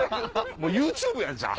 もうＹｏｕＴｕｂｅやん！